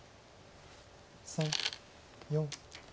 ３４。